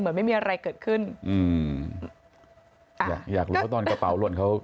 ไม่มีอะไรเกิดขึ้นอืมอยากอยากรู้ว่าตอนกระเป๋าหล่นเขา